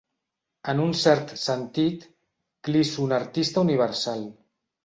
En un cert sentit, clisso un artista universal.